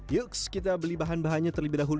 yuks kita beli bahan bahannya terlebih dahulu